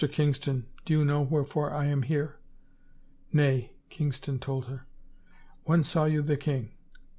Kingston, do you know wherefore I am here ?"" Nay," Kingston told her. " When saw you the king?